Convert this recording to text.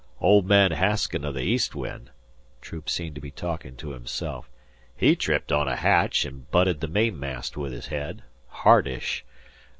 Old man Hasken o' the East Wind" Troop seemed to be talking to himself "he tripped on a hatch an' butted the mainmast with his head hardish.